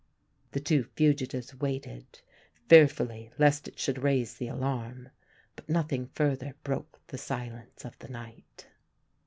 The two fugitives waited fearfully lest it should raise the alarm, but nothing further broke the silence of the night.